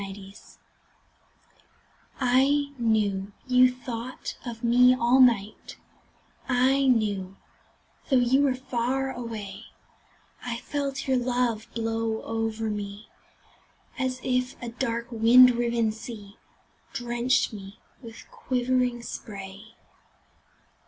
Spray I knew you thought of me all night, I knew, though you were far away; I felt your love blow over me As if a dark wind riven sea Drenched me with quivering spray.